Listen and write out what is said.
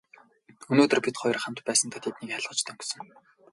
Өнөөдөр бид хоёр хамт байсандаа тэднийг айлгаж дөнгөсөн.